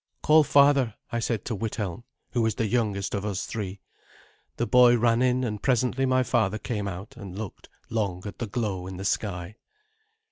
"Call father," I said to Withelm, who was the youngest of us three. The boy ran in, and presently my father came out and looked long at the glow in the sky.